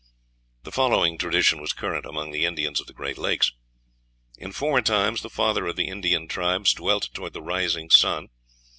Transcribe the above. The following tradition was current among the Indians of the Great Lakes: "In former times the father of the Indian tribes dwelt toward the rising sun.